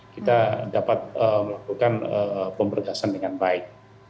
kita dapat melakukan pemberdasan dengan baik